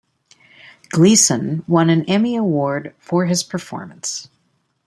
Gleeson won an Emmy Award for his performance.